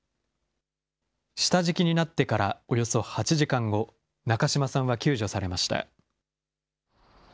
下敷きになってからおよそ８時間後、中島さんは救助されました。